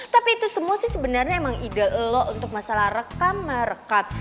tapi itu semua sih sebenernya emang ide lo untuk masalah rekam mah rekam